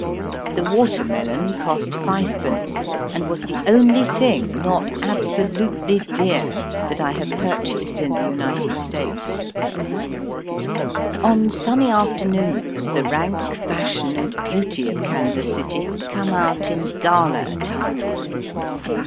The water melon cost fivepence, and was the only thing Digitized by VjOOQIC 48 EAST BY WEST. not absolutely dear that I have purchased in the United States. On sunny afternoons the rank, fashion, and beauty of Kansas City come out in gala attire.